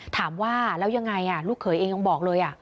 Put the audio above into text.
ถามว่าแล้วยังไงลูกเขยเองยังบอกเลย